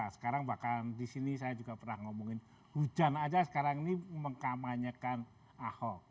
sekarang bahkan di sini saya juga pernah ngomongin hujan aja sekarang ini mengkamanyakan ahok